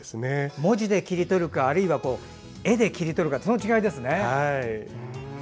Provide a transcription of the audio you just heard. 文字で切り取るか絵で切り取るかの違いですね。